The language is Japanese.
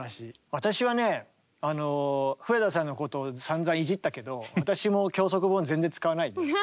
私はね笛田さんのことをさんざんいじったけど私も教則本は全然使わないね。